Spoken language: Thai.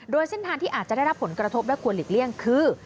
โดยเส้นทางที่อาจจะได้รับผลกระทบและควรหลีกเลี่ยงคือ